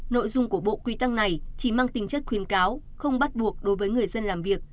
nội dung của bộ quy tắc này chỉ mang tính chất khuyến cáo không bắt buộc đối với người dân làm việc